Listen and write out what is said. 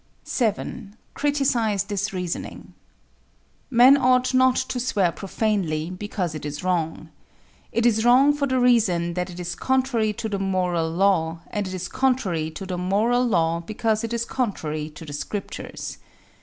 7. Criticise this reasoning: Men ought not to swear profanely, because it is wrong. It is wrong for the reason that it is contrary to the Moral Law, and it is contrary to the Moral Law because it is contrary to the Scriptures.